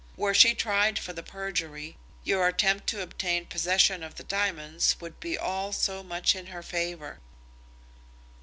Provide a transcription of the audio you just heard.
Were she tried for the perjury, your attempt to obtain possession of the diamonds would be all so much in her favour."